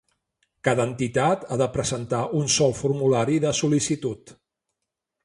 Cada entitat ha de presentar un sol formulari de sol·licitud.